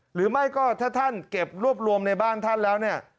หรือไม่ก็ถ้าท่านเก็บรวบรวมในบ้านท่านแล้วเนี่ย